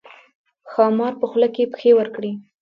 ښامار په خوله کې پښې ورکړې.